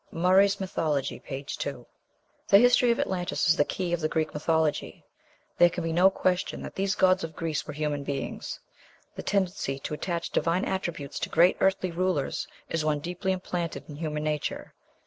(Murray's "Mythology," p. 2.) The history of Atlantis is the key of the Greek mythology. There can be no question that these gods of Greece were human beings. The tendency to attach divine attributes to great earthly rulers is one deeply implanted in human nature.